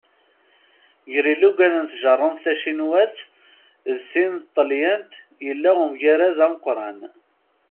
Gar ilugan n tjerrumt tacinwat d tin n tṭalyant yella umgirred ameqqran.